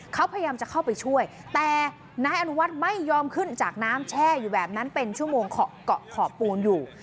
เขาพยายามจะเข้าไปช่วยแต่นายอนุวัฒน์ไม่ยอมขึ้นจากน้ำแช่อยู่แบบนั้นเป็นชั่วโมงเกาะขอบปูนอยู่